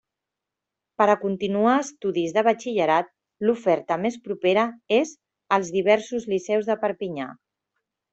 Per a continuar estudis de batxillerat, l'oferta més propera és als diversos liceus de Perpinyà.